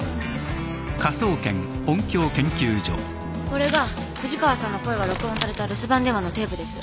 これが藤川さんの声が録音された留守番電話のテープです。